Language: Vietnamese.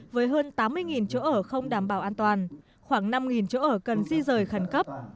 với hơn tám mươi chỗ ở không đảm bảo an toàn khoảng năm chỗ ở cần di rời khẩn cấp